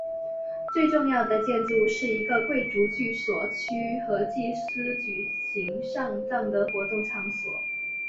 最重要的建筑是一个贵族住宅区和祭司举行丧葬活动的场所。